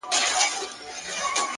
وخت د هر چا لپاره مساوي دی.!